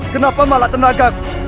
kenapa malah tenagaku